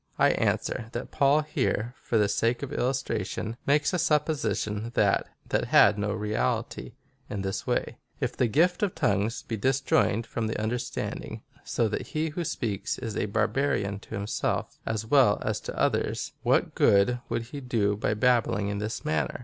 I answer, that Paul here, for the sake of illustration, makes a supposition, that had no reality, in this way :" If the gift of tongues be disjoined from the understanding, so that he who speaks is a barbarian to himself, as well as to others, what good would he do by babbling in this manner?"